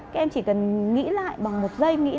các em chỉ cần nghĩ lại bằng một giây